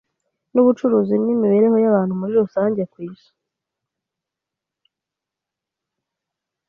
n'ubucuruzi n'imibereho y'abantu muri rusange ku isi